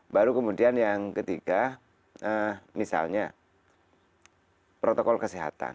baru kemudian yang ketiga misalnya protokol kesehatan